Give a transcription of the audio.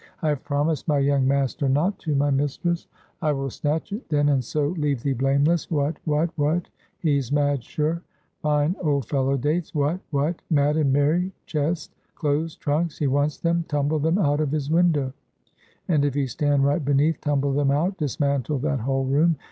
"I have promised my young master not to, my mistress." "I will snatch it, then, and so leave thee blameless. What? what? what? He's mad sure! 'Fine old fellow Dates' what? what? mad and merry! chest? clothes? trunks? he wants them? Tumble them out of his window! and if he stand right beneath, tumble them out! Dismantle that whole room.